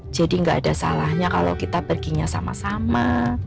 jadi gak ada salahnya kalo kita perginya sama sama